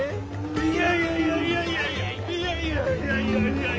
いやいやいやいやいやいや。